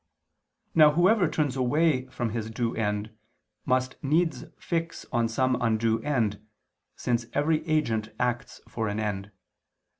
Now whoever turns away from his due end, must needs fix on some undue end, since every agent acts for an end.